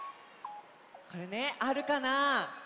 これねあるかな？